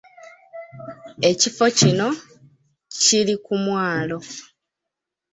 Ekifo kino kiri ku mwalo.